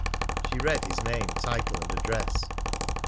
She read his name, title, and address.